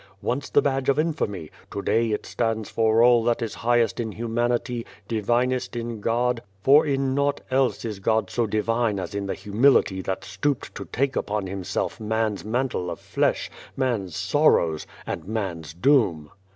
Once the badge of infamy, to day it stands for all that is highest in humanity, divinest in God, for in naught else is God so divine as in the humility that stooped to take upon Himself man's mantle of flesh, man's sorrows, and man's doom."